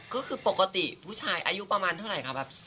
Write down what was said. ก็คือปกติผู้ชายอายุประมาณเท่าไหร่ครับ